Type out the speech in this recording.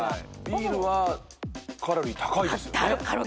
ビールはカロリー高いですよね。